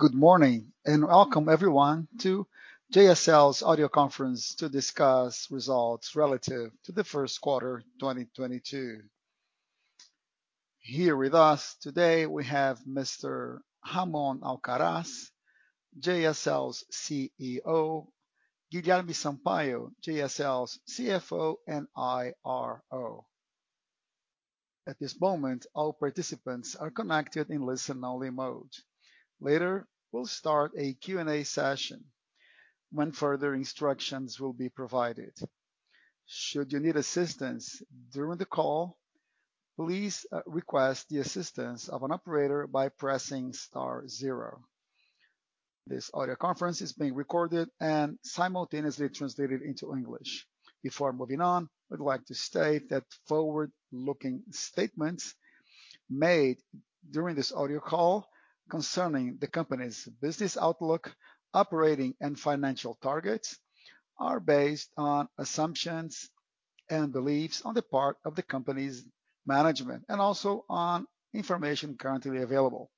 Good morning, and welcome everyone to JSL's audio conference to discuss results relative to the first quarter 2022. Here with us today, we have Mr. Ramon Alcaraz, JSL's CEO, Guilherme Sampaio, JSL's CFO and IRO. At this moment, all participants are connected in listen-only mode. Later, we'll start a Q&A session when further instructions will be provided. Should you need assistance during the call, please, request the assistance of an operator by pressing star zero. This audio conference is being recorded and simultaneously translated into English. Before moving on, we'd like to state that forward-looking statements made during this audio call concerning the company's business outlook, operating and financial targets are based on assumptions and beliefs on the part of the company's management and also on information currently available.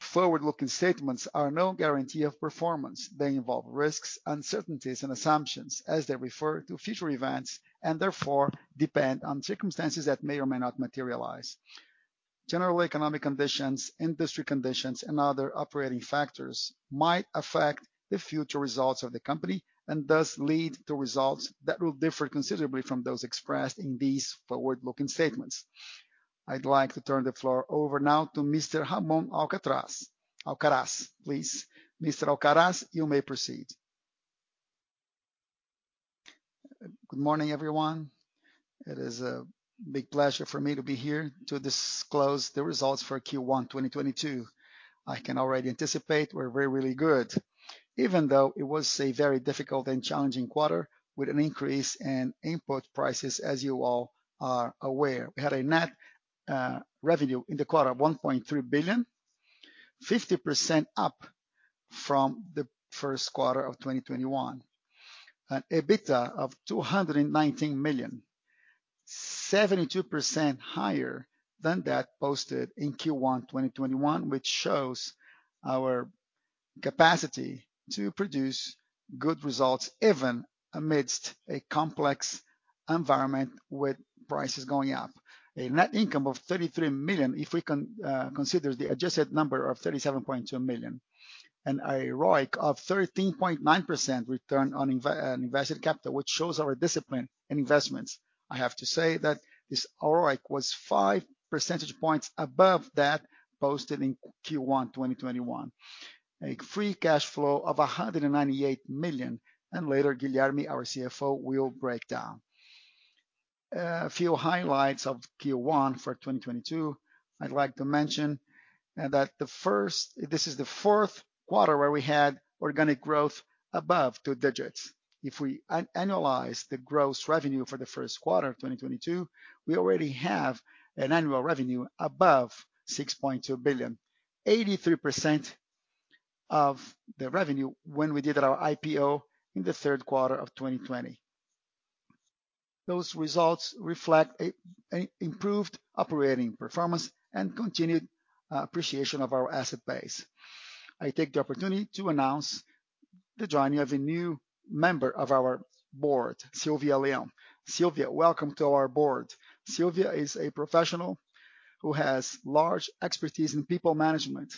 Forward-looking statements are no guarantee of performance. They involve risks, uncertainties, and assumptions as they refer to future events, and therefore, depend on circumstances that may or may not materialize. General economic conditions, industry conditions, and other operating factors might affect the future results of the company and thus lead to results that will differ considerably from those expressed in these forward-looking statements. I'd like to turn the floor over now to Mr. Ramon Alcaraz. Mr. Alcaraz, you may proceed. Good morning, everyone. It is a big pleasure for me to be here to disclose the results for Q1 2022. I can already anticipate we're very, really good. Even though it was a very difficult and challenging quarter with an increase in input prices as you all are aware. We had a net revenue in the quarter of 1.3 billion, 50% up from the first quarter of 2021. An EBITDA of 219 million, 72% higher than that posted in Q1 2021, which shows our capacity to produce good results even amidst a complex environment with prices going up. A net income of 33 million, if we consider the adjusted number of 37.2 million. A ROIC of 13.9% return on invested capital, which shows our discipline in investments. I have to say that this ROIC was five percentage points above that posted in Q1 2021. A free cash flow of 198 million, and later, Guilherme, our CFO, will break down. A few highlights of Q1 2022. I'd like to mention that this is the fourth quarter where we had organic growth above two digits. If we annualize the gross revenue for the first quarter of 2022, we already have an annual revenue above 6.2 billion, 83% of the revenue when we did our IPO in the third quarter of 2020. Those results reflect an improved operating performance and continued appreciation of our asset base. I take the opportunity to announce the joining of a new member of our board, Sylvia Leão. Sylvia, welcome to our board. Sylvia is a professional who has large expertise in people management.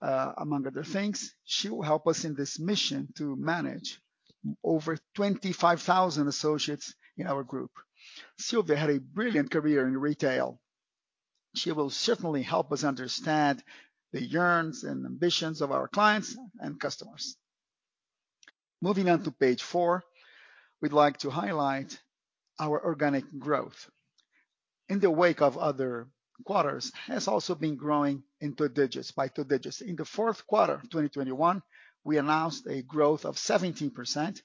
Among other things, she will help us in this mission to manage over 25,000 associates in our group. Sylvia had a brilliant career in retail. She will certainly help us understand the yearnings and ambitions of our clients and customers. Moving on to page four, we'd like to highlight our organic growth. In the wake of other quarters, has also been growing in two digits by two digits. In the fourth quarter of 2021, we announced a growth of 17%,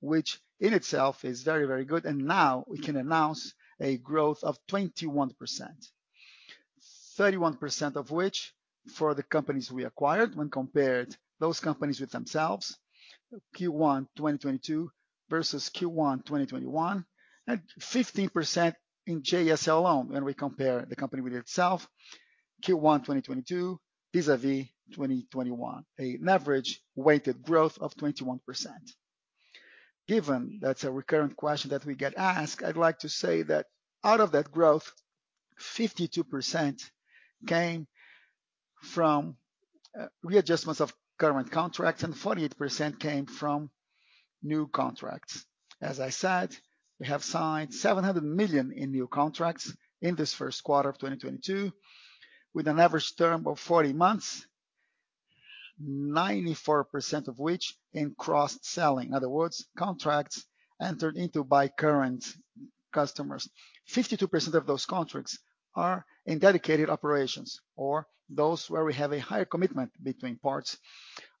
which in itself is very, very good, and now we can announce a growth of 21%. 31% of which for the companies we acquired when compared those companies with themselves, Q1 2022 versus Q1 2021. 15% in JSL alone when we compare the company with itself, Q1 2022 vis-a-vis 2021. An average weighted growth of 21%. Given that's a recurrent question that we get asked, I'd like to say that out of that growth, 52% came from readjustments of current contracts, and 48% came from new contracts. As I said, we have signed 700 million in new contracts in this first quarter of 2022 with an average term of 40 months, 94% of which in cross-selling. In other words, contracts entered into by current customers. Fifty-two percent of those contracts are in dedicated operations or those where we have a higher commitment between parts,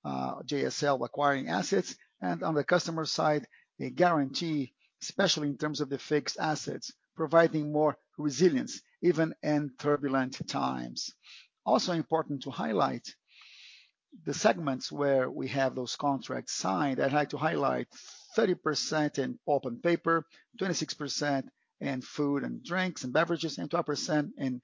JSL acquiring assets, and on the customer side, a guarantee, especially in terms of the fixed assets, providing more resilience even in turbulent times. Also important to highlight the segments where we have those contracts signed. I'd like to highlight. Thirty percent in pulp and paper, 26% in food and drinks and beverages, and 12% in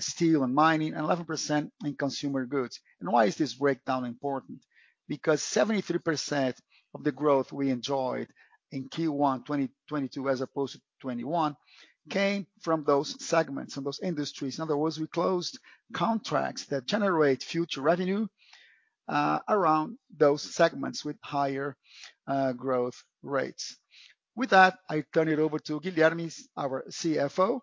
steel and mining, and 11% in consumer goods. Why is this breakdown important? Because 73% of the growth we enjoyed in Q1 2022, as opposed to 2021, came from those segments and those industries. In other words, we closed contracts that generate future revenue around those segments with higher growth rates. With that, I turn it over to Guilherme, our CFO,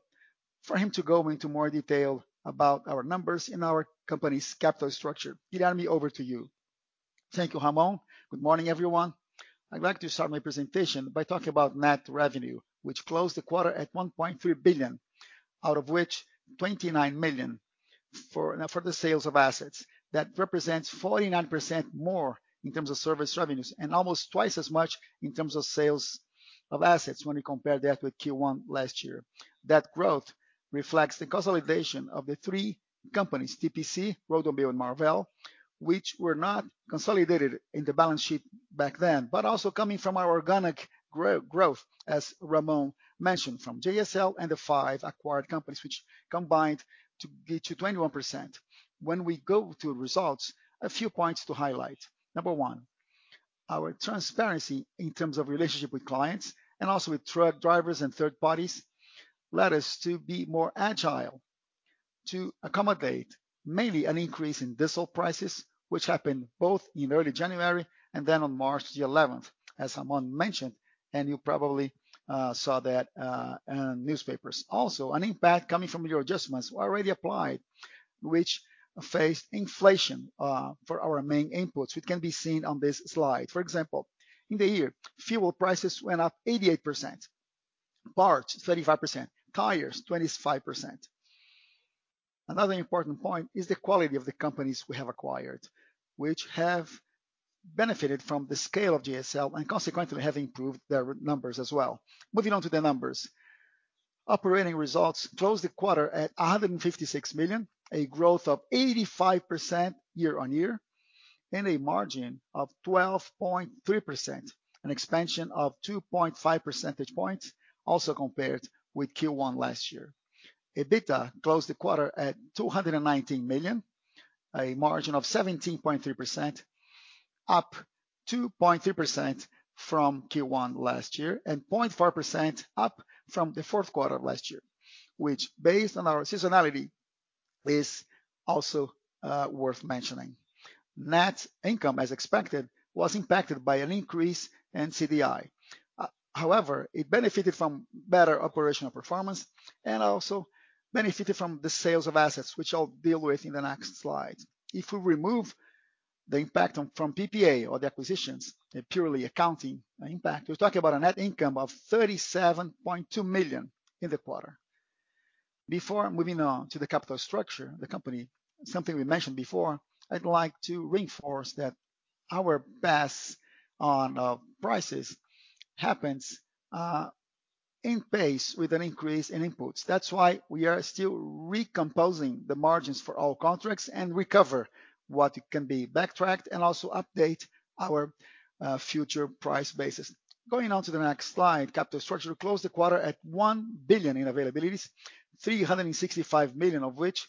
for him to go into more detail about our numbers and our company's capital structure. Guilherme, over to you. Thank you, Ramon. Good morning, everyone. I'd like to start my presentation by talking about net revenue, which closed the quarter at 1.3 billion, out of which 29 million for the sales of assets. That represents 49% more in terms of service revenues, and almost twice as much in terms of sales of assets when we compare that with Q1 last year. That growth reflects the consolidation of the three companies, TPC, Rodomeu, and Marvel, which were not consolidated in the balance sheet back then. Also coming from our organic growth, as Ramon mentioned, from JSL and the five acquired companies, which combined to get to 21%. When we go to results, a few points to highlight. Number one, our transparency in terms of relationship with clients and also with truck drivers and third parties led us to be more agile to accommodate mainly an increase in diesel prices, which happened both in early January and then on March the eleventh, as Ramon mentioned, and you probably saw that on newspapers. Also, an impact coming from the adjustments already applied, which faced inflation for our main inputs, which can be seen on this slide. For example, in the year, fuel prices went up 88%, parts 35%, tires 25%. Another important point is the quality of the companies we have acquired, which have benefited from the scale of JSL and consequently have improved their numbers as well. Moving on to the numbers. Operating results closed the quarter at 156 million, a growth of 85% year-on-year, and a margin of 12.3%, an expansion of 2.5 percentage points also compared with Q1 last year. EBITDA closed the quarter at 219 million, a margin of 17.3% up 2.3% from Q1 last year, and 0.4% up from the fourth quarter of last year, which based on our seasonality is also worth mentioning. Net income, as expected, was impacted by an increase in CDI. However, it benefited from better operational performance and also benefited from the sales of assets, which I'll deal with in the next slide. If we remove the impact from PPA or the acquisitions, a purely accounting impact, we're talking about a net income of 37.2 million in the quarter. Before moving on to the capital structure of the company, something we mentioned before, I'd like to reinforce that our pass on prices happens in pace with an increase in inputs. That's why we are still recomposing the margins for all contracts and recover what can be backtracked and also update our future price basis. Going on to the next slide. Capital structure closed the quarter at 1 billion in availabilities, 365 million of which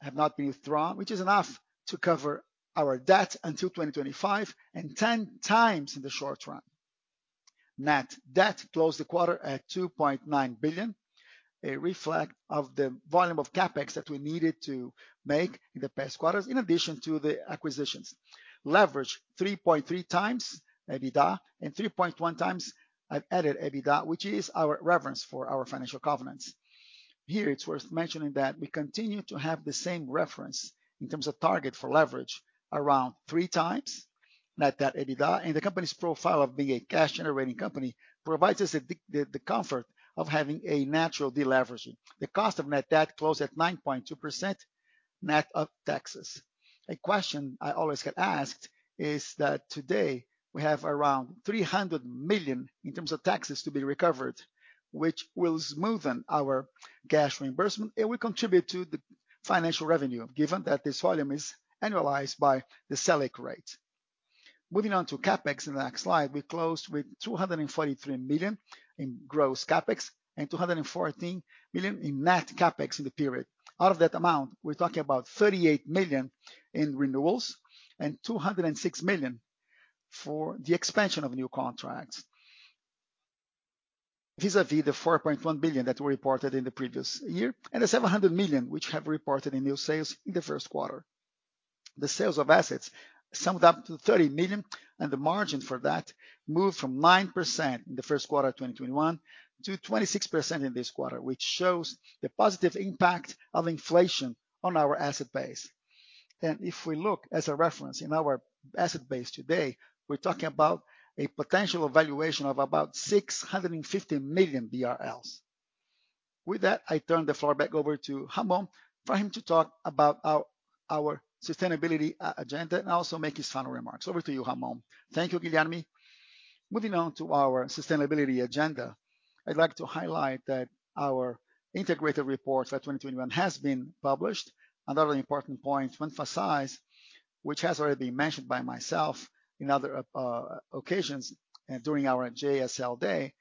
have not been withdrawn, which is enough to cover our debt until 2025 and 10x in the short run. Net debt closed the quarter at 2.9 billion, a reflection of the volume of CapEx that we needed to make in the past quarters in addition to the acquisitions. Leverage 3.3x EBITDA and 3.1x EBIT EBITDA, which is our reference for our financial covenants. Here, it's worth mentioning that we continue to have the same reference in terms of target for leverage around 3x net debt EBITDA, and the company's profile of being a cash-generating company provides us the comfort of having a natural deleveraging. The cost of net debt closed at 9.2%, net of taxes. A question I always get asked is that today we have around 300 million in terms of taxes to be recovered, which will smoothen our cash reimbursement. It will contribute to the financial revenue, given that this volume is annualized by the Selic rate. Moving on to CapEx in the next slide. We closed with 243 million in gross CapEx and 214 million in net CapEx in the period. Out of that amount, we're talking about 38 million in renewals and 206 million for the expansion of new contracts vis-à-vis the 4.1 billion that we reported in the previous year and the 700 million which have reported in new sales in the first quarter. The sales of assets summed up to 30 million, and the margin for that moved from 9% in the first quarter of 2021 to 26% in this quarter, which shows the positive impact of inflation on our asset base. If we look as a reference in our asset base today, we're talking about a potential valuation of about 650 million BRL. With that, I turn the floor back over to Ramon for him to talk about our sustainability agenda, and also make his final remarks. Over to you, Ramon. Thank you, Guilherme. Moving on to our sustainability agenda. I'd like to highlight that our integrated reports at 2021 have been published. Another important point to emphasize, which has already been mentioned by myself in other occasions and during our JSL day,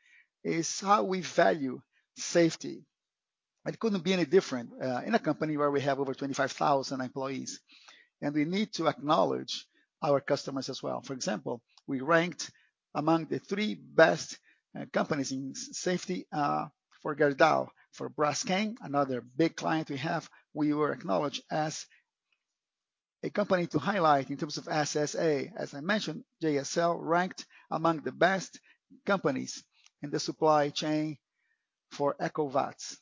is how we value safety. It couldn't be any different in a company where we have over 25,000 employees, and we need to acknowledge our customers as well. For example, we ranked among the three best companies in safety for Gerdau. For Braskem, another big client we have, we were acknowledged as a company to highlight in terms of SSA. As I mentioned, JSL ranked among the best companies in the supply chain for EcoVadis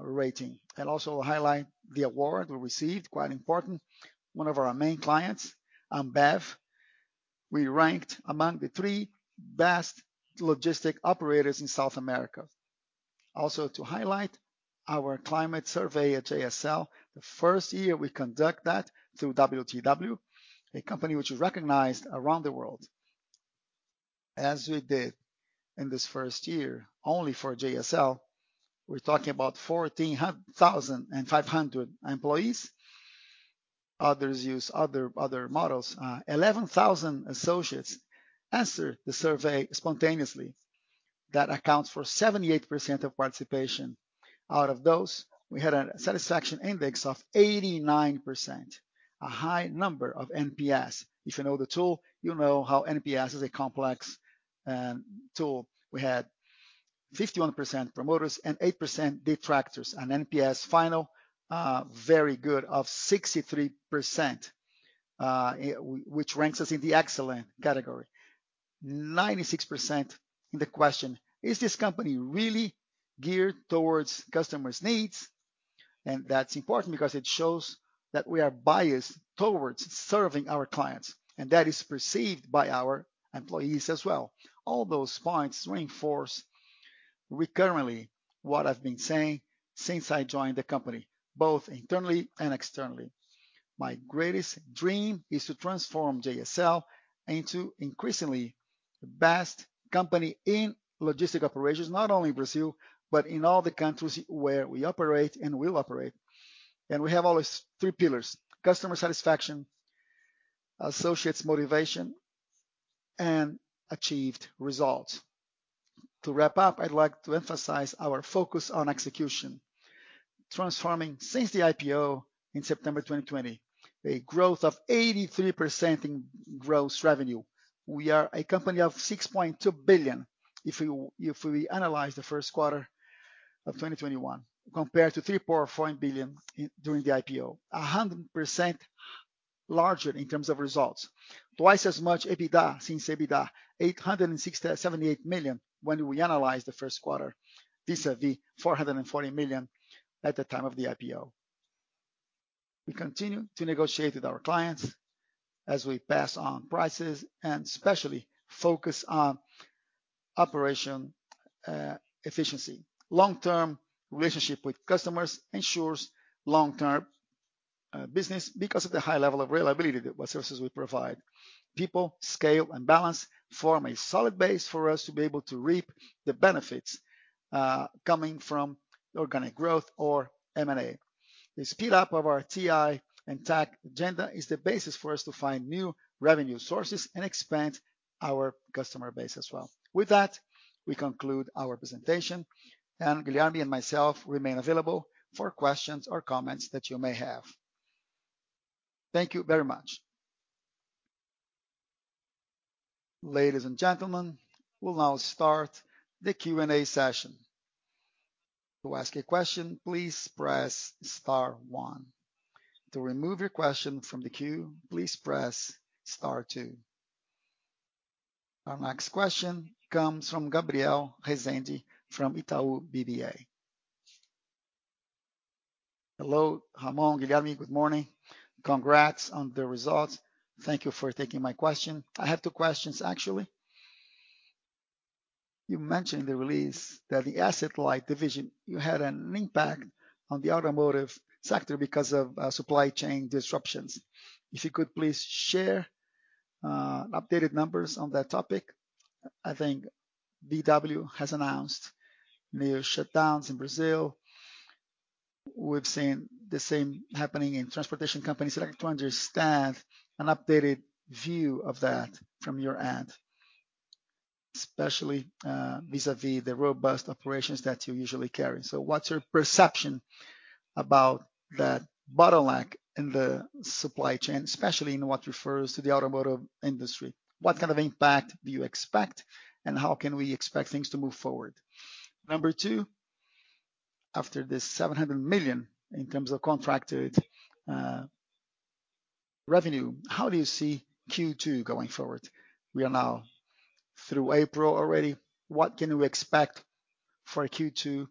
rating. I'll also highlight the award we received, quite important. One of our main clients, Ambev, we ranked among the three best logistic operators in South America. Also to highlight our climate survey at JSL, the first year we conduct that through WTW, a company which is recognized around the world. As we did in this first year, only for JSL, we're talking about 14,500 employees. Others use other models. Eleven thousand associates answered the survey spontaneously. That accounts for 78% of participation. Out of those, we had a satisfaction index of 89%, a high number of NPS. If you know the tool, you know how NPS is a complex tool. We had 51% promoters and 8% detractors. An NPS final, very good of 63%, which ranks us in the excellent category. Ninety-six percent in the question, "Is this company really geared towards customers' needs?" That's important because it shows that we are biased towards serving our clients, and that is perceived by our employees as well. All those points reinforce recurrently what I've been saying since I joined the company, both internally and externally. My greatest dream is to transform JSL into increasingly the best company in logistics operations, not only in Brazil, but in all the countries where we operate and will operate. We have all these three pillars: customer satisfaction, associates motivation, and achieved results. To wrap up, I'd like to emphasize our focus on execution. Transforming since the IPO in September 2020, a growth of 83% in gross revenue. We are a company of 6.2 billion if we analyze the first quarter of 2021, compared to 3.4 billion during the IPO. 100% larger in terms of results. Twice as much EBITDA since EBITDA 867.8 million when we analyze the first quarter vis-a-vis 440 million at the time of the IPO. We continue to negotiate with our clients as we pass on prices and especially focus on operation efficiency. Long-term relationship with customers ensures long-term business because of the high level of reliability that what services we provide. People, scale, and balance form a solid base for us to be able to reap the benefits coming from organic growth or M&A. The speed up of our TI and tech agenda is the basis for us to find new revenue sources and expand our customer base as well. With that, we conclude our presentation, and Guilherme and myself remain available for questions or comments that you may have. Thank you very much. Ladies and gentlemen, we'll now start the Q&A session. To ask a question, please press star one. To remove your question from the queue, please press star two. Our next question comes from Gabriel Rezende from Itaú BBA. Hello, Ramon, Guilherme. Good morning. Congrats on the results. Thank you for taking my question. I have two questions, actually. You mentioned in the release that the asset light division, you had an impact on the automotive sector because of supply chain disruptions. If you could please share updated numbers on that topic. I think VW has announced new shutdowns in Brazil. We've seen the same happening in transportation companies. I'd like to understand an updated view of that from your end, especially vis-a-vis the robust operations that you usually carry. What's your perception about that bottleneck in the supply chain, especially in what refers to the automotive industry? What kind of impact do you expect, and how can we expect things to move forward? Number two, after this 700 million in terms of contracted revenue, how do you see Q2 going forward? We are now through April already. What can we expect for Q2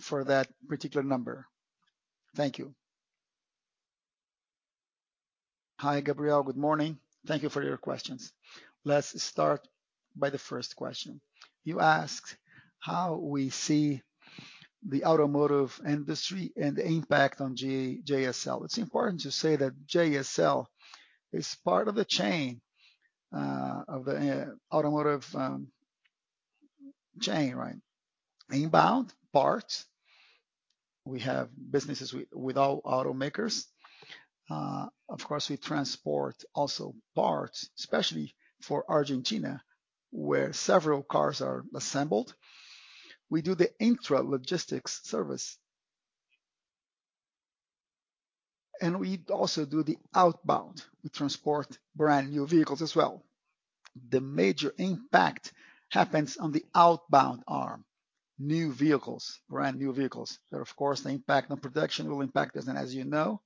for that particular number? Thank you. Hi, Gabriel. Good morning. Thank you for your questions. Let's start by the first question. You asked how we see the automotive industry and the impact on JSL. It's important to say that JSL is part of the chain of the automotive chain, right? Inbound parts. We have businesses with automakers. Of course, we transport also parts, especially for Argentina, where several cars are assembled. We do the intra-logistics service. We also do the outbound. We transport brand-new vehicles as well. The major impact happens on the outbound arm, new vehicles, brand-new vehicles. Of course, the impact on production will impact us. As you know,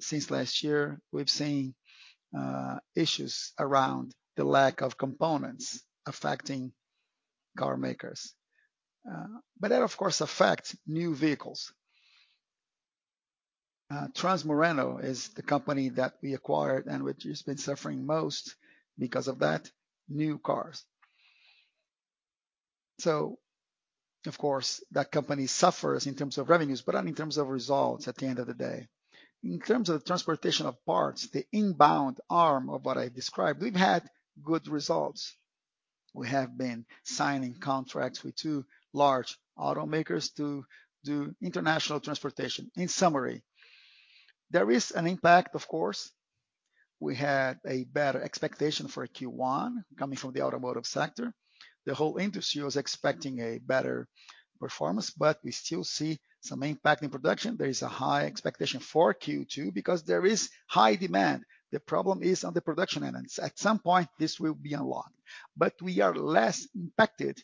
since last year, we've seen issues around the lack of components affecting car makers. That, of course, affects new vehicles. Transmoreno is the company that we acquired and which has been suffering most because of that, new cars. Of course, that company suffers in terms of revenues, but not in terms of results at the end of the day. In terms of transportation of parts, the inbound arm of what I described, we've had good results. We have been signing contracts with two large automakers to do international transportation. In summary, there is an impact, of course. We had a better expectation for Q1 coming from the automotive sector. The whole industry was expecting a better performance, but we still see some impact in production. There is a high expectation for Q2 because there is high demand. The problem is on the production end, and at some point, this will be unlocked. We are less impacted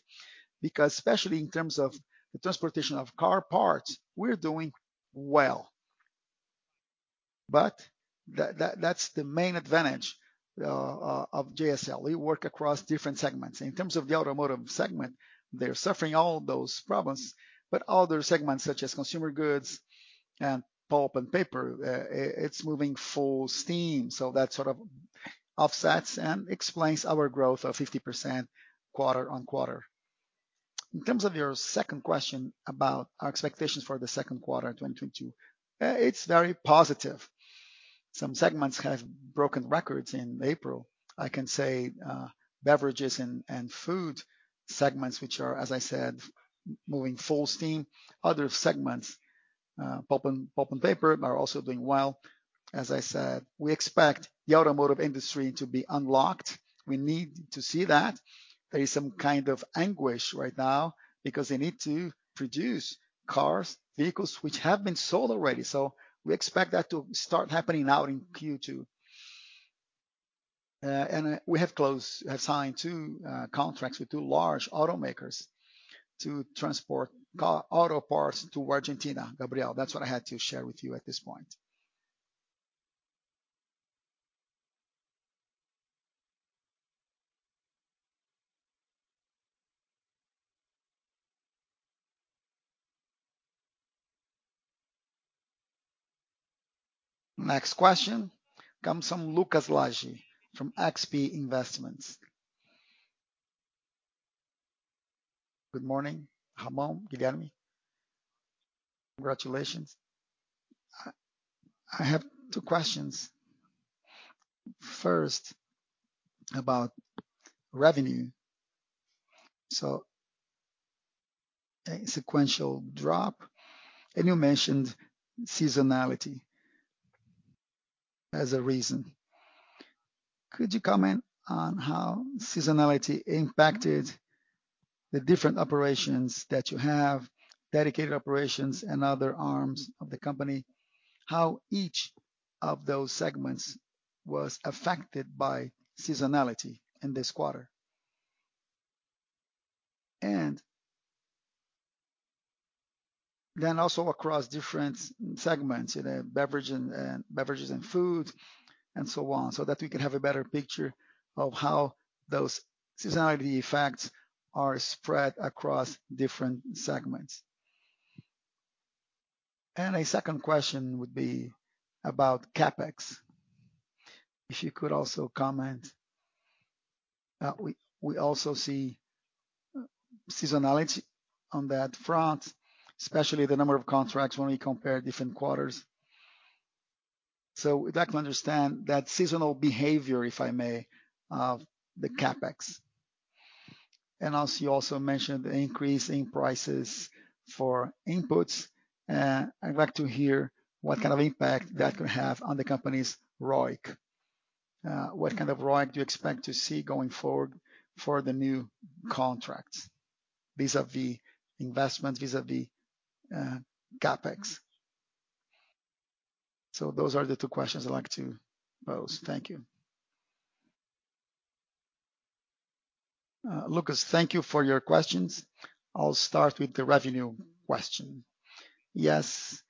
because especially in terms of the transportation of car parts, we're doing well. That's the main advantage of JSL. We work across different segments. In terms of the automotive segment, they're suffering all those problems, but other segments such as consumer goods and pulp and paper, it's moving full steam. That sort of offsets and explains our growth of 50% quarter-over-quarter. In terms of your second question about our expectations for the second quarter 2022, it's very positive. Some segments have broken records in April. I can say, beverages and food segments, which are, as I said, moving full steam. Other segments, pulp and paper are also doing well. As I said, we expect the automotive industry to be unlocked. We need to see that. There is some kind of anguish right now because they need to produce cars, vehicles which have been sold already. We expect that to start happening now in Q2. We have signed two contracts with two large automakers to transport auto parts to Argentina, Gabriel. That's what I had to share with you at this point. Next question comes from Lucas Laghi from XP Investments. Good morning, Ramon, Guilherme. Congratulations. I have two questions. First, about revenue. A sequential drop, and you mentioned seasonality as a reason. Could you comment on how seasonality impacted the different operations that you have, dedicated operations and other arms of the company, how each of those segments was affected by seasonality in this quarter? Also across different segments, you know, beverage and, beverages and foods and so on, so that we can have a better picture of how those seasonality effects are spread across different segments. A second question would be about CapEx. If you could also comment. We also see seasonality on that front, especially the number of contracts when we compare different quarters. We'd like to understand that seasonal behavior, if I may, of the CapEx. Also, you also mentioned the increase in prices for inputs. I'd like to hear what kind of impact that could have on the company's ROIC. What kind of ROIC do you expect to see going forward for the new contracts vis-à-vis investment, vis-à-vis, CapEx? Those are the two questions I'd like to pose. Thank you. Lucas, thank you for your questions. I'll start with the revenue question. Yes,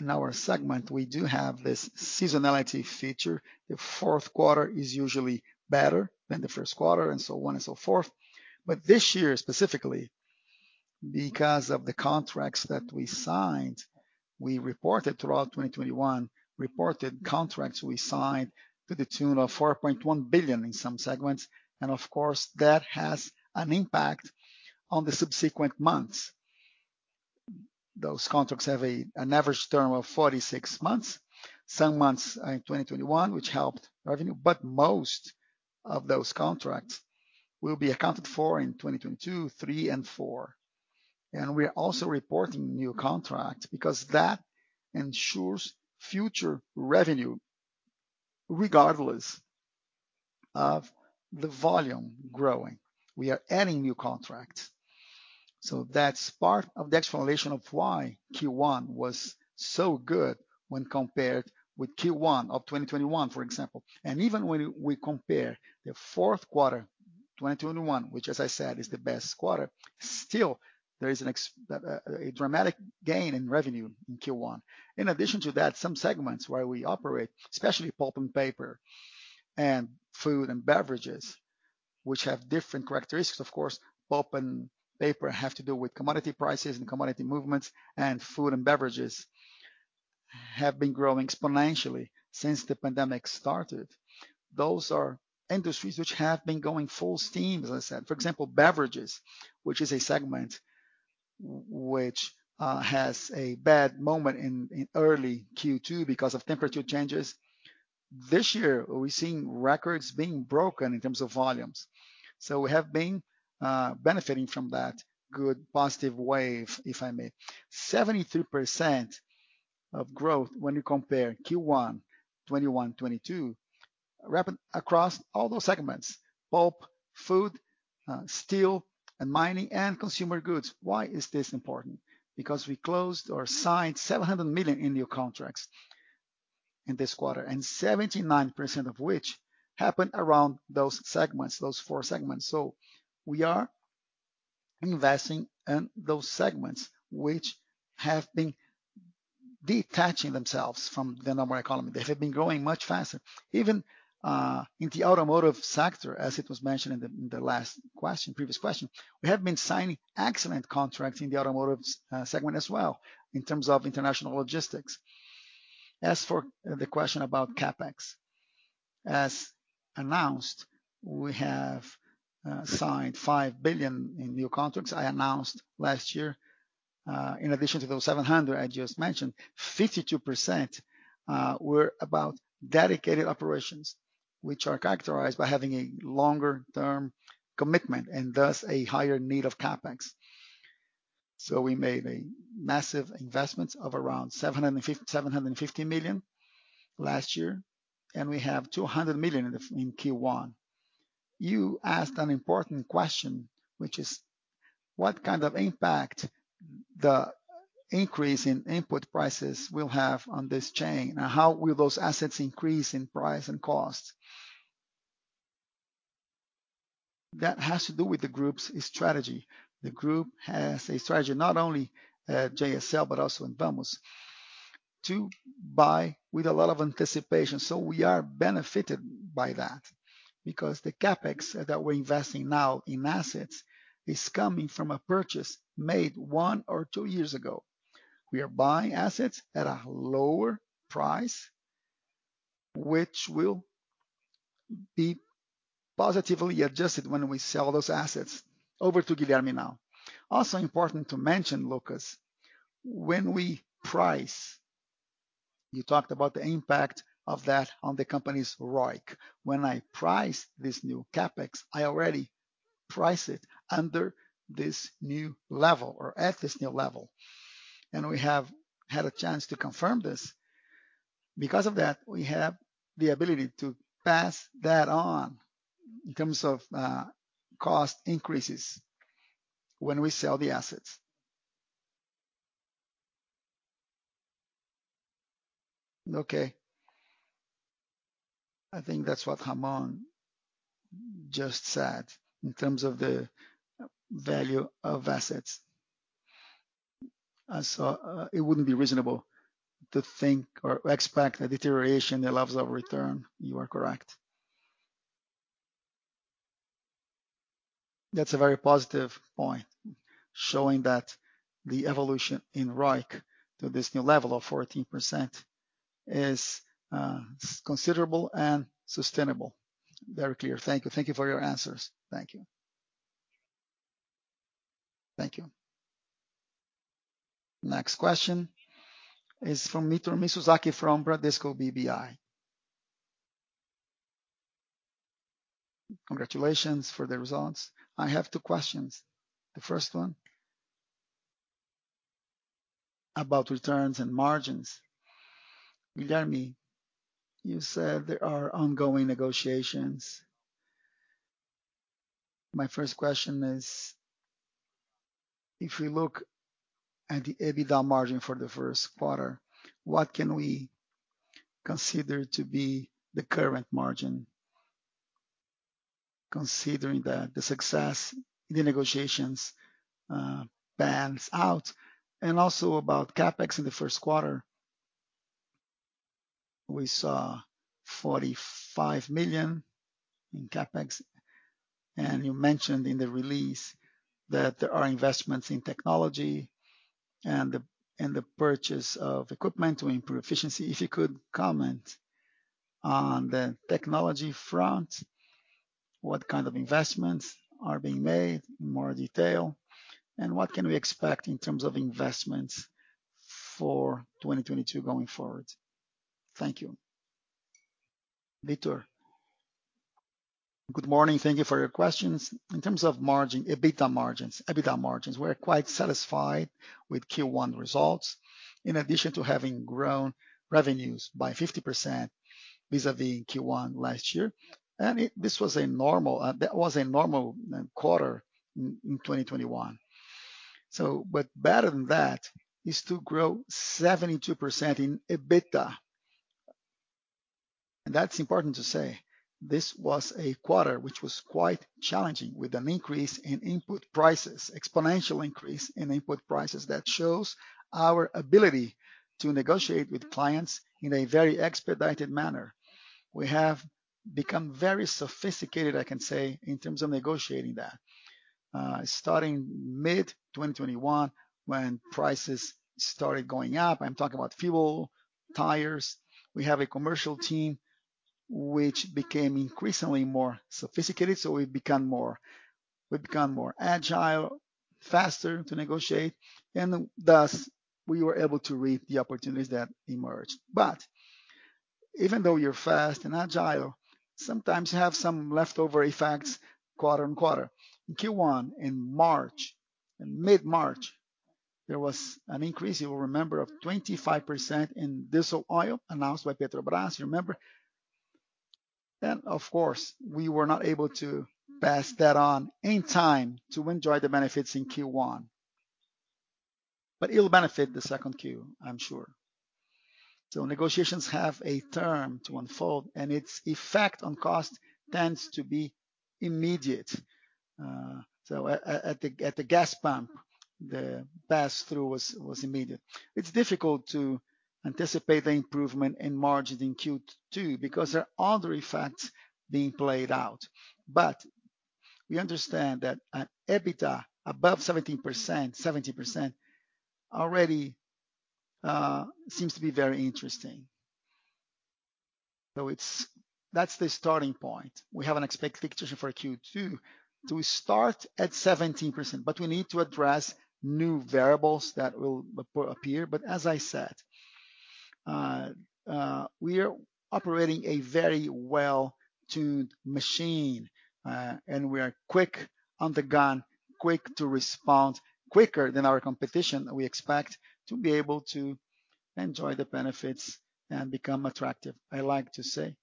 in our segment, we do have this seasonality feature. The fourth quarter is usually better than the first quarter, and so on and so forth. This year specifically, because of the contracts that we signed. We reported throughout 2021 contracts we signed to the tune of 4.1 billion in some segments. Of course, that has an impact on the subsequent months. Those contracts have an average term of 46 months. Some months in 2021, which helped revenue, but most of those contracts will be accounted for in 2022, 2023 and 2024. We are also reporting new contracts because that ensures future revenue regardless of the volume growing. We are adding new contracts. That's part of the explanation of why Q1 was so good when compared with Q1 of 2021, for example. Even when we compare the fourth quarter 2021, which, as I said, is the best quarter, still there is a dramatic gain in revenue in Q1. In addition to that, some segments where we operate, especially pulp and paper and food and beverages, which have different characteristics, of course. Pulp and paper have to do with commodity prices and commodity movements, and food and beverages have been growing exponentially since the pandemic started. Those are industries which have been going full steam, as I said. For example, beverages, which is a segment which has a bad moment in early Q2 because of temperature changes. This year we're seeing records being broken in terms of volumes. We have been benefiting from that good positive wave, if I may. Seventy-three percent of growth when you compare Q1 2021, 2022 across all those segments, pulp, food, steel and mining, and consumer goods. Why is this important? Because we closed or signed 700 million in new contracts in this quarter, and 79% of which happened around those segments, those four segments. We are investing in those segments which have been detaching themselves from the normal economy. They have been growing much faster. Even in the automotive sector, as it was mentioned in the previous question, we have been signing excellent contracts in the automotive segment as well in terms of international logistics. As for the question about CapEx, as announced, we have signed 5 billion in new contracts I announced last year. In addition to those 700 I just mentioned, 52% were about dedicated operations, which are characterized by having a longer term commitment and thus a higher need of CapEx. We made massive investments of around 750 million last year, and we have 200 million in Q1. You asked an important question, which is what kind of impact the increase in input prices will have on this chain, and how will those assets increase in price and cost. That has to do with the group's strategy. The group has a strategy, not only at JSL, but also in Vamos, to buy with a lot of anticipation. We are benefited by that because the CapEx that we're investing now in assets is coming from a purchase made one or two years ago. We are buying assets at a lower price, which will be positively adjusted when we sell those assets. Over to Guilherme now. Also important to mention, Lucas, when we price, you talked about the impact of that on the company's ROIC. When I price this new CapEx, I already price it under this new level or at this new level, and we have had a chance to confirm this. Because of that, we have the ability to pass that on in terms of, cost increases when we sell the assets. Okay. I think that's what Ramon just said in terms of the value of assets. So, it wouldn't be reasonable to think or expect a deterioration in the levels of return. You are correct. That's a very positive point, showing that the evolution in ROIC to this new level of 14% is, considerable and sustainable. Very clear. Thank you for your answers. Next question is from Victor Mizusaki from Bradesco BBI. Congratulations for the results. I have two questions. The first one about returns and margins. Guilherme, you said there are ongoing negotiations. My first question is, if we look at the EBITDA margin for the first quarter, what can we consider to be the current margin considering that the success in the negotiations pans out? Also about CapEx in the first quarter. We saw 45 million in CapEx, and you mentioned in the release that there are investments in technology and the purchase of equipment to improve efficiency. If you could comment on the technology front, what kind of investments are being made in more detail, and what can we expect in terms of investments for 2022 going forward? Thank you. Victor. Good morning. Thank you for your questions. In terms of margin, EBITDA margins, we're quite satisfied with Q1 results. In addition to having grown revenues by 50% vis-a-vis Q1 last year, this was a normal quarter in 2021. Better than that is to grow 72% in EBITDA. That's important to say. This was a quarter which was quite challenging, with an increase in input prices, exponential increase in input prices that shows our ability to negotiate with clients in a very expedited manner. We have become very sophisticated, I can say, in terms of negotiating that. Starting mid-2021 when prices started going up, I'm talking about fuel, tires, we have a commercial team which became increasingly more sophisticated, so we've become more agile, faster to negotiate, and thus we were able to reap the opportunities that emerged. Even though you're fast and agile, sometimes you have some leftover effects quarter-over-quarter. In Q1, in March, in mid-March, there was an increase, you will remember, of 25% in diesel oil announced by Petrobras, you remember? Of course, we were not able to pass that on in time to enjoy the benefits in Q1. It'll benefit the second Q, I'm sure. Negotiations have a term to unfold, and its effect on cost tends to be immediate. At the gas pump, the pass-through was immediate. It's difficult to anticipate the improvement in margins in Q2 because there are other effects being played out. We understand that an EBITDA above 17%, 17% already, seems to be very interesting. That's the starting point. We have an expectation for Q2 to start at 17%, but we need to address new variables that will appear. As I said, we are operating a very well-tuned machine, and we are quick on the gun, quick to respond, quicker than our competition. We expect to be able to enjoy the benefits and become attractive. I like to say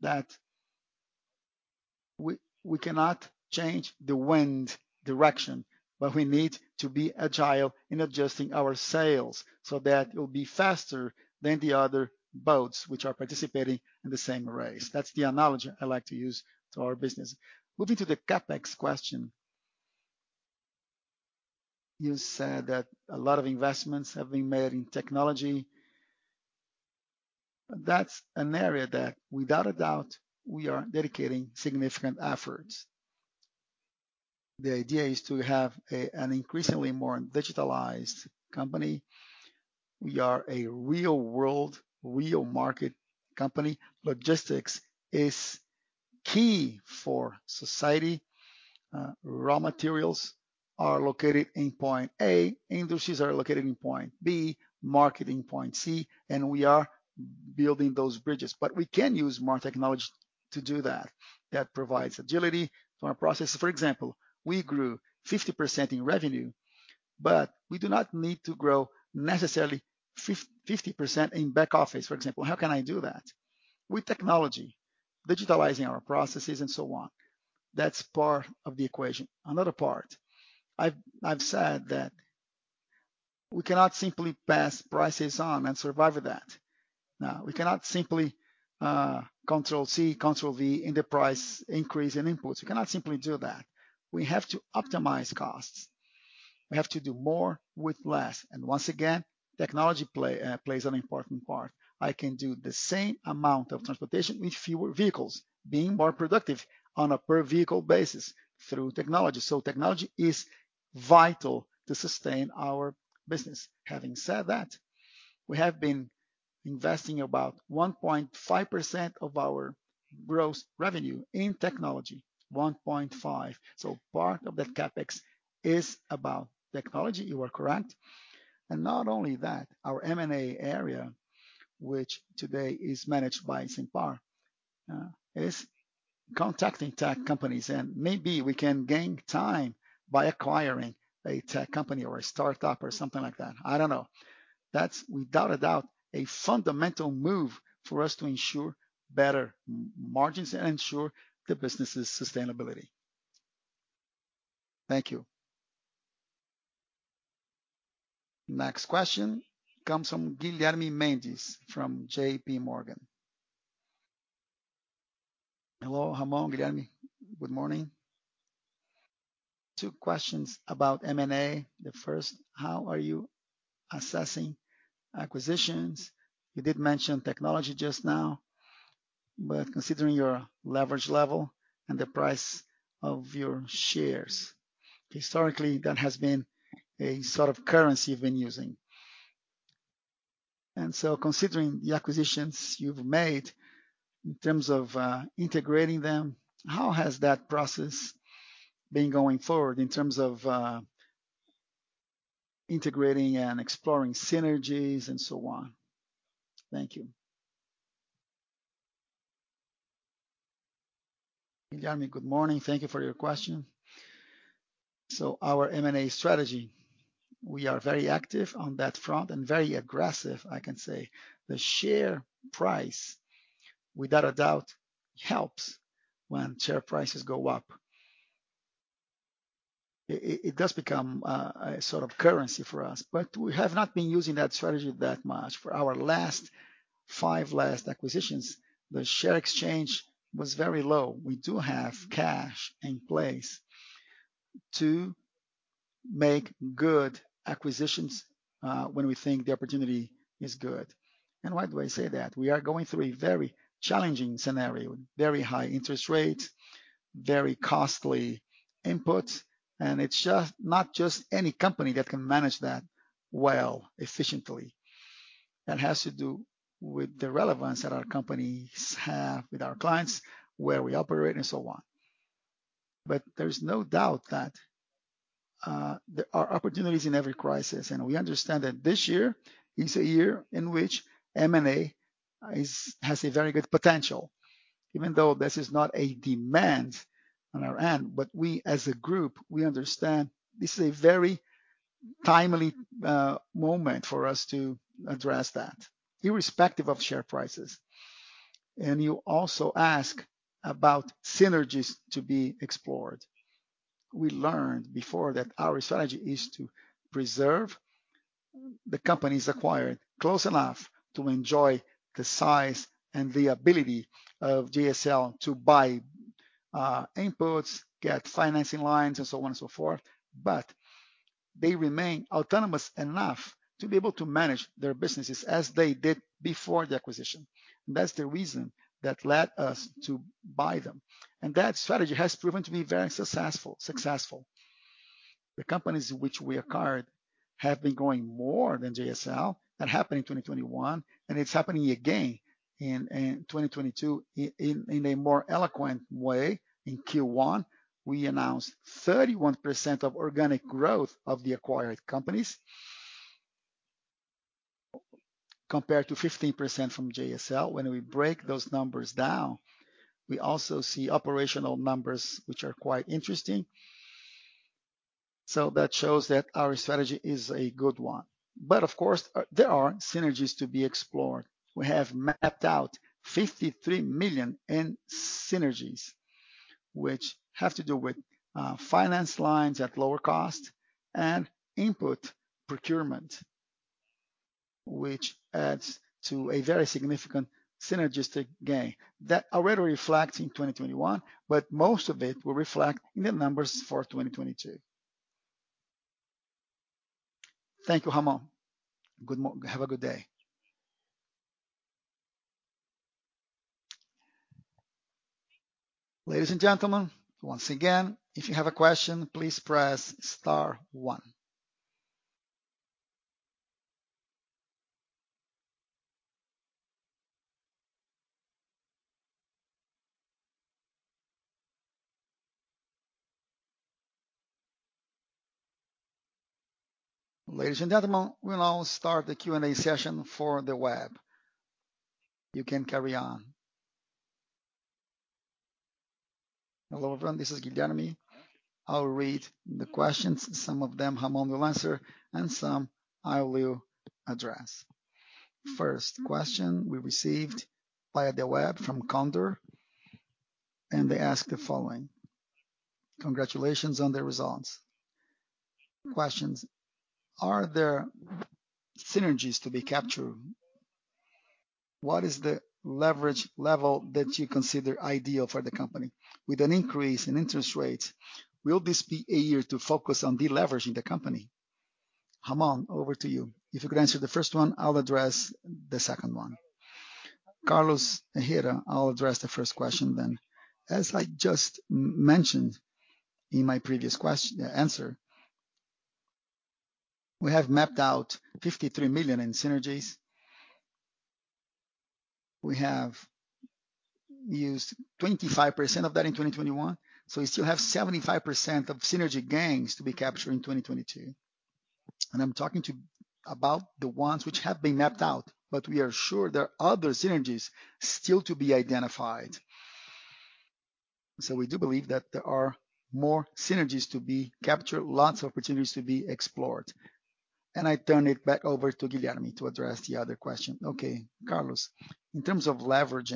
that we cannot change the wind direction, but we need to be agile in adjusting our sails so that it will be faster than the other boats which are participating in the same race. That's the analogy I like to use to our business. Moving to the CapEx question. You said that a lot of investments have been made in technology. That's an area that, without a doubt, we are dedicating significant efforts. The idea is to have an increasingly more digitalized company. We are a real-world, real market company. Logistics is key for society. Raw materials are located in point A, industries are located in point B, market in point C, and we are building those bridges. But we can use more technology to do that. That provides agility to our process. For example, we grew 50% in revenue, but we do not need to grow necessarily 50% in back office, for example. How can I do that? With technology, digitalizing our processes and so on. That's part of the equation. Another part, I've said that we cannot simply pass prices on and survive with that. No. We cannot simply Control C, Control V in the price increase in inputs. We cannot simply do that. We have to optimize costs. We have to do more with less. Once again, technology plays an important part. I can do the same amount of transportation with fewer vehicles, being more productive on a per vehicle basis through technology. Technology is vital to sustain our business. Having said that, we have been investing about 1.5% of our gross revenue in technology, 1.5. Part of that CapEx is about technology, you are correct. Not only that, our M&A area, which today is managed by Saint Barth, is contacting tech companies, and maybe we can gain time by acquiring a tech company or a startup or something like that. I don't know. That's, without a doubt, a fundamental move for us to ensure better margins and ensure the business' sustainability. Thank you. Next question comes from Guilherme Mendes from JPMorgan. Hello, Ramon, Guilherme. Good morning. Two questions about M&A. The first, how are you assessing acquisitions? You did mention technology just now, but considering your leverage level and the price of your shares, historically, that has been a sort of currency you've been using. Considering the acquisitions you've made, in terms of integrating them, how has that process been going forward in terms of integrating and exploring synergies and so on? Thank you. Guilherme, good morning. Thank you for your question. Our M&A strategy, we are very active on that front and very aggressive, I can say. The share price, without a doubt, helps when share prices go up. It does become a sort of currency for us, but we have not been using that strategy that much. For our last five acquisitions, the share exchange was very low. We do have cash in place to make good acquisitions, when we think the opportunity is good. Why do I say that? We are going through a very challenging scenario, very high interest rates, very costly inputs, and it's just not just any company that can manage that well, efficiently. That has to do with the relevance that our companies have with our clients, where we operate, and so on. There is no doubt that there are opportunities in every crisis, and we understand that this year is a year in which M&A has a very good potential, even though this is not a demand on our end. We, as a group, we understand this is a very timely moment for us to address that, irrespective of share prices. You also ask about synergies to be explored. We learned before that our strategy is to preserve the companies acquired close enough to enjoy the size and the ability of JSL to buy inputs, get financing lines and so on and so forth. They remain autonomous enough to be able to manage their businesses as they did before the acquisition. That's the reason that led us to buy them. That strategy has proven to be very successful. The companies which we acquired have been growing more than JSL. That happened in 2021, and it's happening again in 2022 in a more eloquent way. In Q1, we announced 31% of organic growth of the acquired companies compared to 15% from JSL. When we break those numbers down, we also see operational numbers which are quite interesting. That shows that our strategy is a good one. Of course, there are synergies to be explored. We have mapped out 53 million in synergies, which have to do with finance lines at lower cost and input procurement, which adds to a very significant synergistic gain that already reflect in 2021, but most of it will reflect in the numbers for 2022. Thank you, Ramon. Have a good day. Ladies and gentlemen, once again, if you have a question, please press star one. Ladies and gentlemen, we'll now start the Q&A session for the web. You can carry on. Hello, everyone. This is Guilherme. I'll read the questions. Some of them, Ramon will answer, and some I will address. First question we received via the web from Carlos, and they ask the following. Congratulations on the results. Questions, are there synergies to be captured? What is the leverage level that you consider ideal for the company? With an increase in interest rates, will this be a year to focus on deleveraging the company? Ramon, over to you. If you could answer the first one, I'll address the second one. Carlos, I'll address the first question then. As I just mentioned in my previous answer, we have mapped out 53 million in synergies. We have used 25% of that in 2021, so we still have 75% of synergy gains to be captured in 2022. I'm talking about the ones which have been mapped out, but we are sure there are other synergies still to be identified. We do believe that there are more synergies to be captured, lots of opportunities to be explored. I turn it back over to Guilherme to address the other question. Okay, Carlos, in terms of leverage.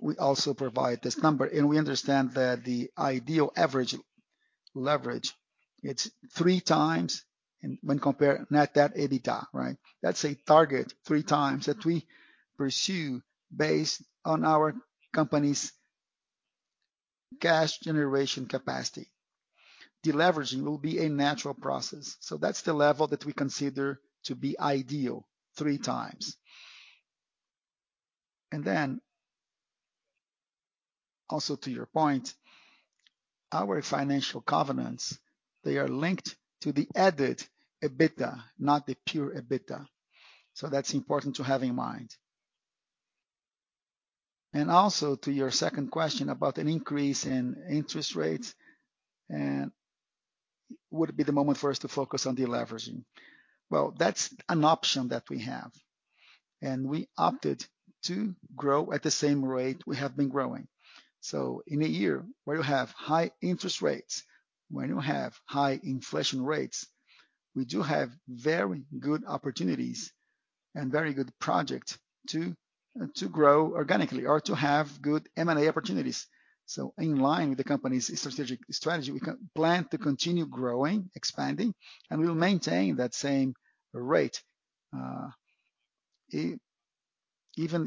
We also provide this number, and we understand that the ideal average leverage. It's 3x net debt to EBITDA, right? That's a target 3x that we pursue based on our company's cash generation capacity. Deleveraging will be a natural process. That's the level that we consider to be ideal, 3x. Then also to your point, our financial covenants, they are linked to the added EBITDA, not the pure EBITDA. That's important to have in mind. Also to your second question about an increase in interest rates and would it be the moment for us to focus on deleveraging. Well, that's an option that we have, and we opted to grow at the same rate we have been growing. In a year where you have high interest rates, when you have high inflation rates, we do have very good opportunities and very good project to grow organically or to have good M&A opportunities. In line with the company's strategic strategy, we can plan to continue growing, expanding, and we will maintain that same rate, even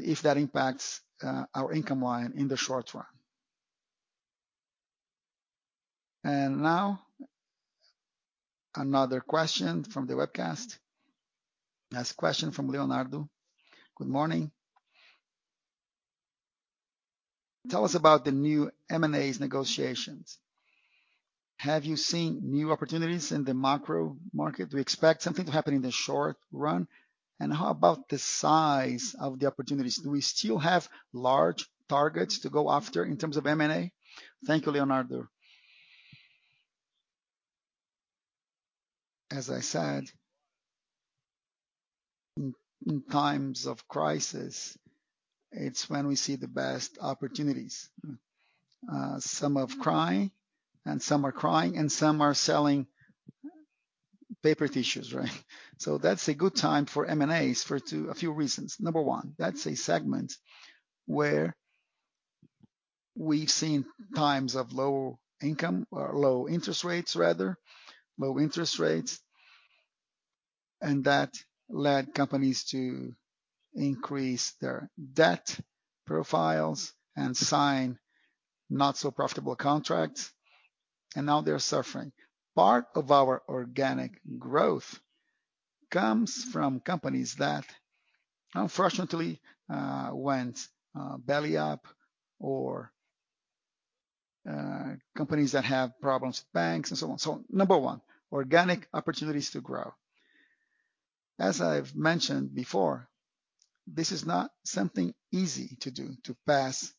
if that impacts our income line in the short run. Now another question from the webcast. Next question from Leonardo. Good morning. Tell us about the new M&As negotiations. Have you seen new opportunities in the macro market? Do you expect something to happen in the short run? And how about the size of the opportunities? Do we still have large targets to go after in terms of M&A? Thank you, Leonardo. As I said, in times of crisis, it's when we see the best opportunities. Some are crying, and some are selling paper tissues, right? That's a good time for M&As for a few reasons. Number one, that's a segment where we've 7x of low income or low interest rates rather, low interest rates, and that led companies to increase their debt profiles and sign not so profitable contracts, and now they're suffering. Part of our organic growth comes from companies that unfortunately went belly up or companies that have problems with banks and so on and so on. Number one, organic opportunities to grow. As I've mentioned before, this is not something easy to do, to pass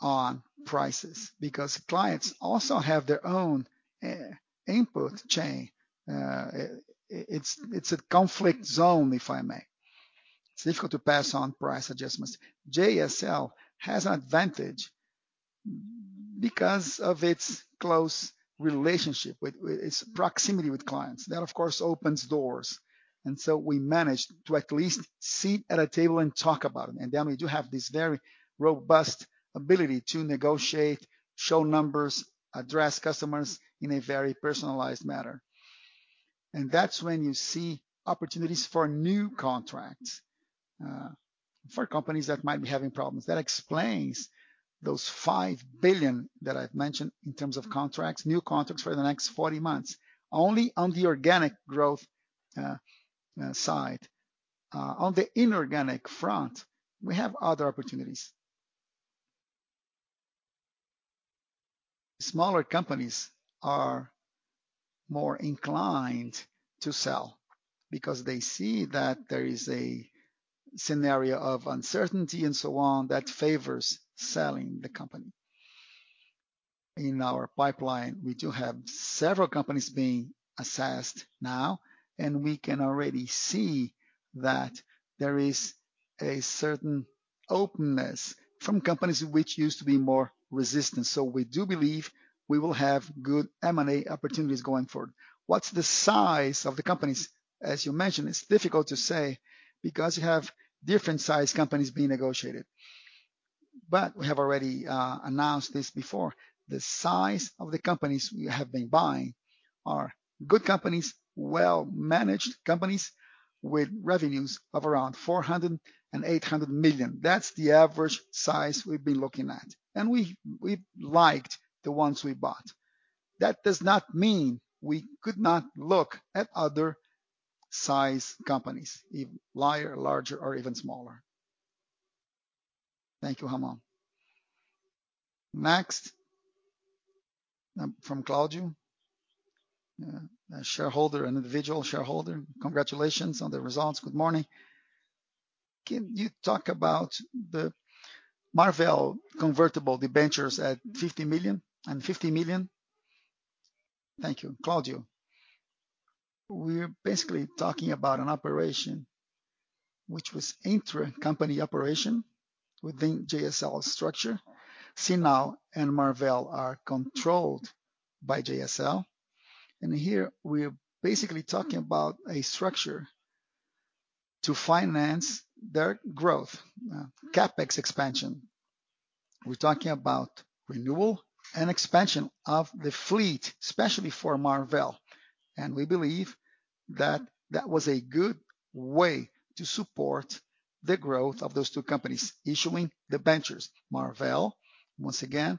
on prices because clients also have their own supply chain. It's a conflict zone, if I may. It's difficult to pass on price adjustments. JSL has an advantage because of its close relationship, its proximity with clients. That, of course, opens doors. We managed to at least sit at a table and talk about it. We do have this very robust ability to negotiate, show numbers, address customers in a very personalized manner. That's when you see opportunities for new contracts, for companies that might be having problems. That explains those 5 billion that I've mentioned in terms of contracts, new contracts for the next 40 months, only on the organic growth side. On the inorganic front, we have other opportunities. Smaller companies are more inclined to sell because they see that there is a scenario of uncertainty and so on that favors selling the company. In our pipeline, we do have several companies being assessed now, and we can already see that there is a certain openness from companies which used to be more resistant. We do believe we will have good M&A opportunities going forward. What's the size of the companies? As you mentioned, it's difficult to say because you have different size companies being negotiated. We have already announced this before. The size of the companies we have been buying are good companies, well-managed companies with revenues of around 400 million-800 million. That's the average size we've been looking at, and we liked the ones we bought. That does not mean we could not look at other size companies, larger or even smaller. Thank you, Ramon. Next, from Claudio, a shareholder, an individual shareholder. Congratulations on the results. Good morning. Can you talk about the Marvel convertible debentures at 50 million and 50 million? Thank you. Claudio, we're basically talking about an operation which was intra-company operation within JSL structure. [Simpar] and Marvel are controlled by JSL, and here we're basically talking about a structure to finance their growth, CapEx expansion. We're talking about renewal and expansion of the fleet, especially for Marvel. We believe that was a good way to support the growth of those two companies issuing debentures. Marvel, once again,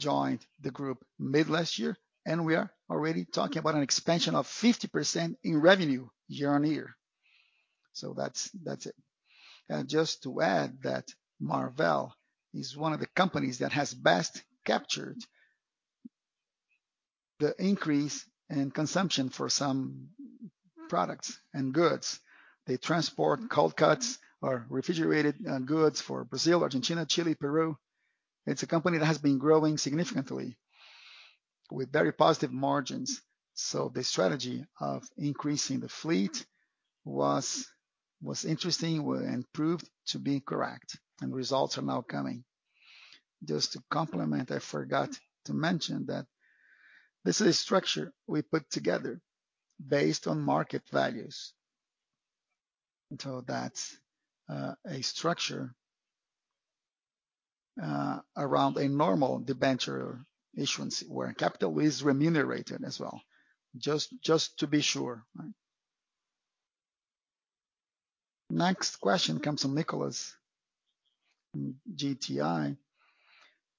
joined the group mid last year, and we are already talking about an expansion of 50% in revenue year on year. That's it. Just to add that Marvel is one of the companies that has best captured the increase in consumption for some products and goods. They transport cold cuts or refrigerated goods for Brazil, Argentina, Chile, Peru. It's a company that has been growing significantly with very positive margins. The strategy of increasing the fleet was interesting and proved to be correct, and results are now coming. Just to complement, I forgot to mention that this is a structure we put together based on market values. That's a structure around a normal debenture issuance where capital is remunerated as well. Just to be sure. Right. Next question comes from Nicholas in GTI.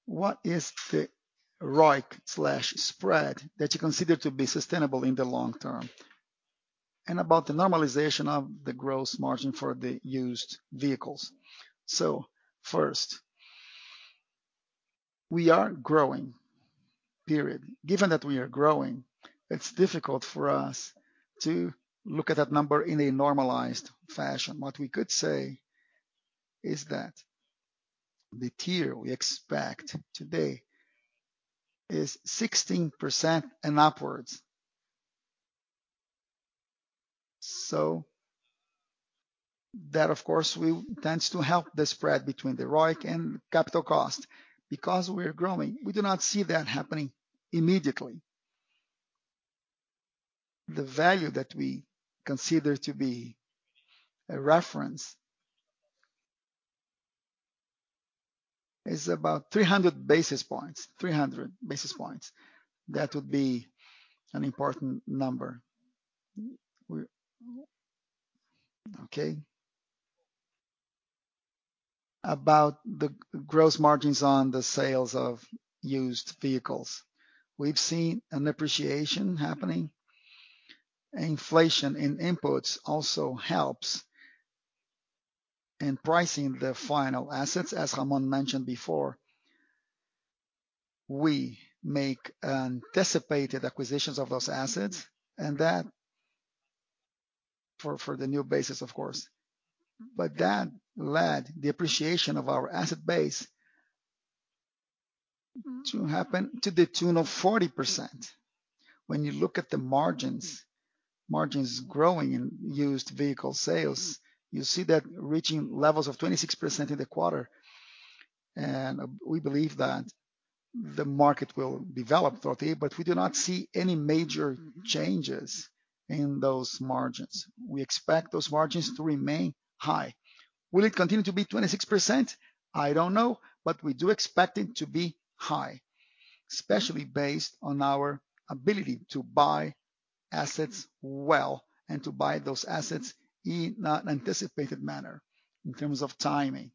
What is the ROIC/spread that you consider to be sustainable in the long term? And about the normalization of the gross margin for the used vehicles. First, we are growing, period. Given that we are growing, it's difficult for us to look at that number in a normalized fashion. What we could say is that the TIR we expect today is 16% and upwards. That, of course, will tend to help the spread between the ROIC and capital cost. Because we are growing, we do not see that happening immediately. The value that we consider to be a reference is about 300 basis points. 300 basis points. That would be an important number. Okay. About the gross margins on the sales of used vehicles. We've seen an appreciation happening. Inflation in inputs also helps in pricing the final assets. As Ramon mentioned before, we make anticipated acquisitions of those assets and that for the new basis, of course. But that led the appreciation of our asset base to happen to the tune of 40%. When you look at the margins growing in used vehicle sales, you see that reaching levels of 26% in the quarter. We believe that the market will develop throughout the year, but we do not see any major changes in those margins. We expect those margins to remain high. Will it continue to be 26%? I don't know. We do expect it to be high, especially based on our ability to buy assets well and to buy those assets in an anticipated manner in terms of timing.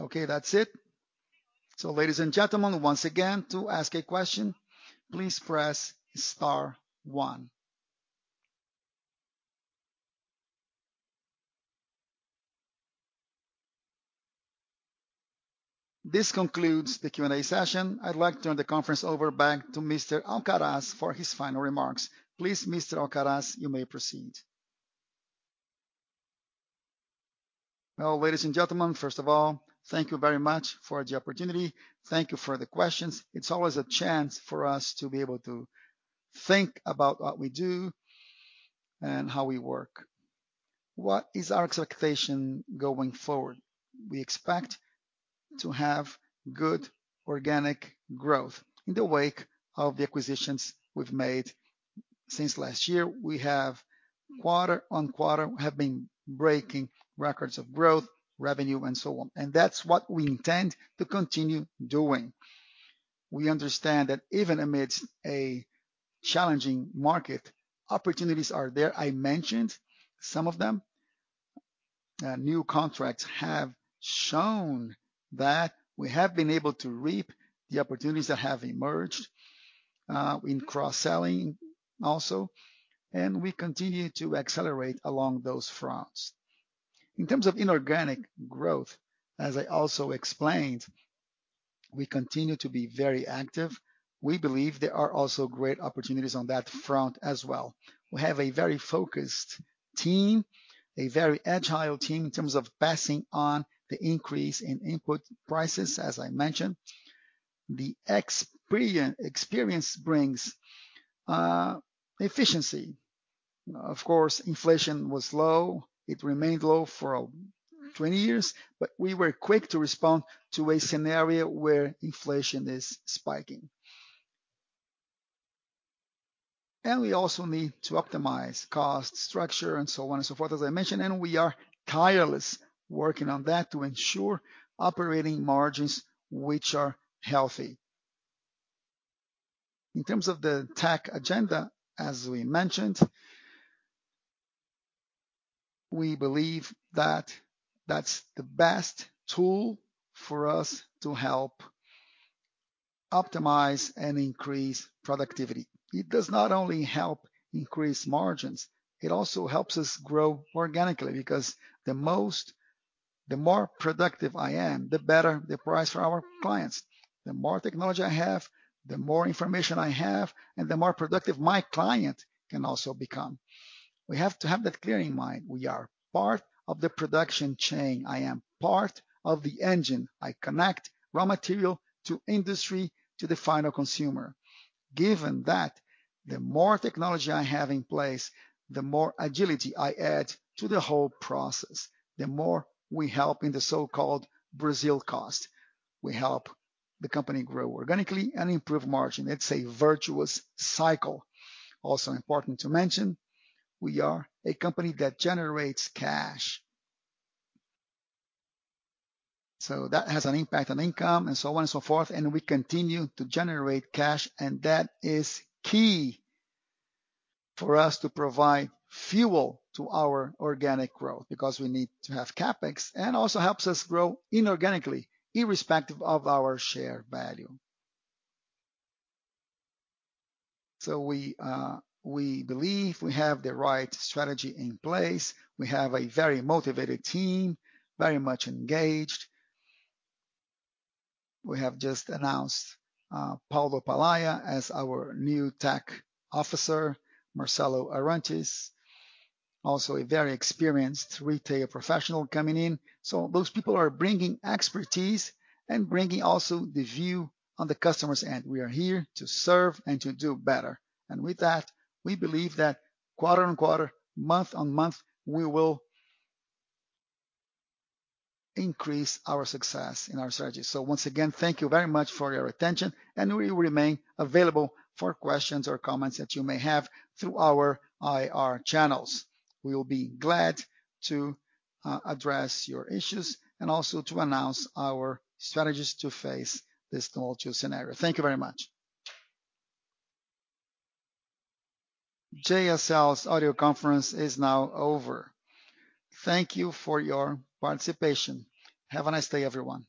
Okay, that's it. Ladies and gentlemen, once again, to ask a question, please press star one. This concludes the Q&A session. I'd like to turn the conference over back to Mr. Alcaraz for his final remarks. Please, Mr. Alcaraz, you may proceed. Well, ladies and gentlemen, first of all, thank you very much for the opportunity. Thank you for the questions. It's always a chance for us to be able to think about what we do and how we work. What is our expectation going forward? We expect to have good organic growth in the wake of the acquisitions we've made since last year. We have quarter-on-quarter have been breaking records of growth, revenue and so on, and that's what we intend to continue doing. We understand that even amidst a challenging market, opportunities are there. I mentioned some of them. New contracts have shown that we have been able to reap the opportunities that have emerged, in cross-selling also, and we continue to accelerate along those fronts. In terms of inorganic growth, as I also explained, we continue to be very active. We believe there are also great opportunities on that front as well. We have a very focused team, a very agile team in terms of passing on the increase in input prices, as I mentioned. The experience brings efficiency. Of course, inflation was low. It remained low for 20 years, but we were quick to respond to a scenario where inflation is spiking. We also need to optimize cost structure and so on and so forth, as I mentioned, and we are tirelessly working on that to ensure operating margins which are healthy. In terms of the tech agenda, as we mentioned, we believe that that's the best tool for us to help optimize and increase productivity. It does not only help increase margins, it also helps us grow organically because the more productive I am, the better the price for our clients. The more technology I have, the more information I have, and the more productive my client can also become. We have to have that clear in mind. We are part of the production chain. I am part of the engine. I connect raw material to industry to the final consumer. Given that, the more technology I have in place, the more agility I add to the whole process, the more we help in the so-called Brazil cost. We help the company grow organically and improve margin. It's a virtuous cycle. Also important to mention, we are a company that generates cash. That has an impact on income and so on and so forth, and we continue to generate cash, and that is key for us to provide fuel to our organic growth because we need to have CapEx, and also helps us grow inorganically, irrespective of our share value. We believe we have the right strategy in place. We have a very motivated team, very much engaged. We have just announced Paulo Palaia as our new tech officer, Marcelo Arantes, also a very experienced retail professional coming in. Those people are bringing expertise and bringing also the view on the customer's end. We are here to serve and to do better. With that, we believe that quarter-on-quarter, month-on-month, we will increase our success in our strategy. Once again, thank you very much for your attention, and we will remain available for questions or comments that you may have through our IR channels. We will be glad to address your issues and also to announce our strategies to face this volatile scenario. Thank you very much. JSL's audio conference is now over. Thank you for your participation. Have a nice day, everyone.